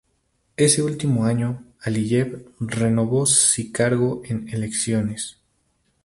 Ese último año, Aliyev renovó si cargo en elecciones.